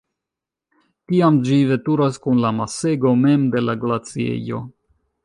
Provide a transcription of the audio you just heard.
Tiam ĝi veturas kun la masego mem de la glaciejo.